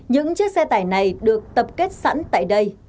những chiếc xe tải này được tập kết sẵn tại đây